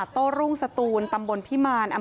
ใช่